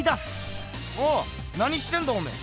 おっなにしてんだおめえ。